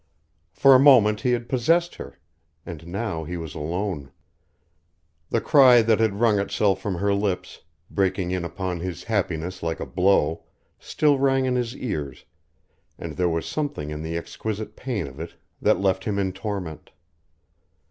For a moment he had possessed her, and now he was alone. The cry that had wrung itself from her lips, breaking in upon his happiness like a blow, still rang in his ears, and there was something in the exquisite pain of it that left him in torment.